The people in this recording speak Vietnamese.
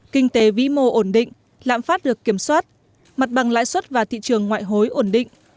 kinh tế vĩ mô ổn định lạm phát được kiểm soát mặt bằng lãi suất và thị trường ngoại hối ổn định